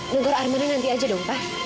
tunggu armani nanti aja dong pak